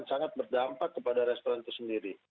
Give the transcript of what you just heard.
sangat berdampak kepada restoran itu sendiri